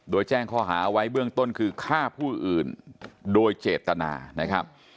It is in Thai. โดยแจ้งข้อหาไว้เบื้องต้นคือฆ่าผู้อื่นโดยเจตนานะครับ